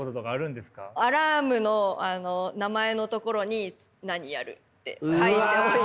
アラームの名前の所に何やるって書いておいて。